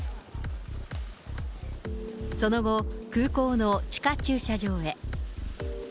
その後、空港の地下駐車場へ。